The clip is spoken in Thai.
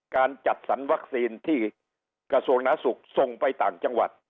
การจัดสรรวัคซีนที่กระทรวงหน้าสุขส่งไปต่างจังหวัด